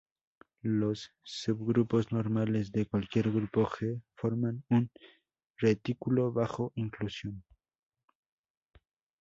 Los subgrupos normales de cualquier grupo "G" forman un retículo bajo inclusión.